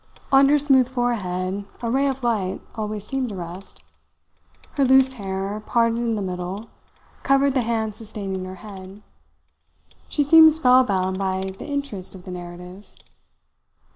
On her smooth forehead a ray of light always seemed to rest. Her loose hair, parted in the middle, covered the hands sustaining her head. She seemed spellbound by the interest of the narrative.